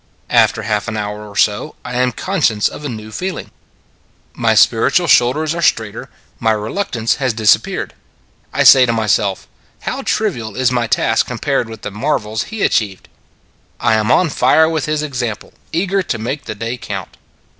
After half an hour or so, I am con scious of a new feeling. My spiritual 119 shoulders are straighter, my reluctance has disappeared. I say to myself: "How trivial is my task compared with the mar vels he achieved." I am on fire with his example, eager to make the day count.